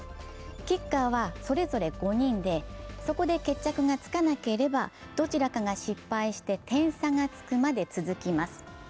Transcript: キッカーはそれぞれ５人でそこで決着がつかなければどちらかが失敗して点差がつくまで続きます。